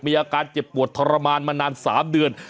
มีอาการเจ็บปวดทรมานมานาน๓เดือน